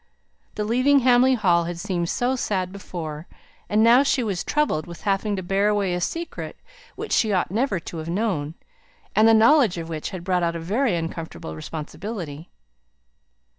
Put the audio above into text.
The leaving Hamley Hall had seemed so sad before; and now she was troubled with having to bear away a secret which she ought never to have known, and the knowledge of which had brought out a very uncomfortable responsibility.